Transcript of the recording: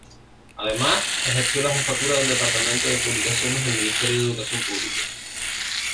Además, ejerció la jefatura de del departamento de publicaciones del Ministerio de Educación Pública.